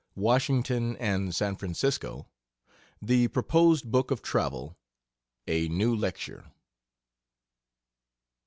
WASHINGTON AND SAN FRANCISCO. THE PROPOSED BOOK OF TRAVEL. A NEW LECTURE.